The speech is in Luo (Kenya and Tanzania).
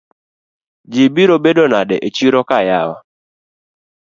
Ji biro bedo nade echiroka yawa?